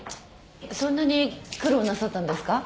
そんなに苦労なさったんですか？